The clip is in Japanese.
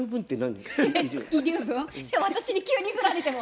私に急に振られても。